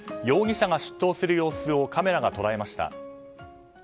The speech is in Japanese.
容疑者が出頭する様子をカメラが捉えました。